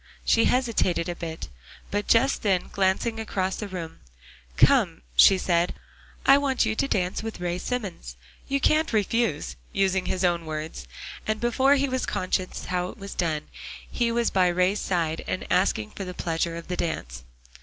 She hesitated a bit, but just then glancing across the room, "Come," she said, "I want you to dance with Ray Simmons. You can't refuse," using his own words; and before he was conscious how it was done, he was by Ray's side, and asking for the pleasure of the dance.